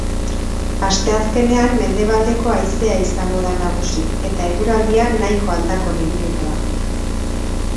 Asteazkenean mendebaldeko haizea izango da nagusi eta eguraldia nahiko aldakor ibiliko da.